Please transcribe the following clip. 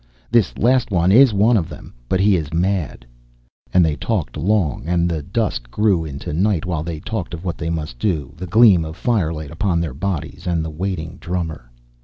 This last one is one of them, but he is mad." And they talked long and the dusk grew into night while they talked of what they must do. The gleam of firelight upon their bodies, and the waiting drummer.